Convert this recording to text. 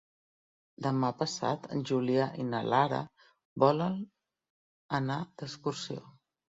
Demà passat en Julià i na Lara volen anar d'excursió.